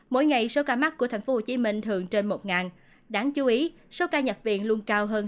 mỗi ngày số ca mắc của thành phố hồ chí minh thường trên một đáng chú ý số ca nhật viện luôn cao hơn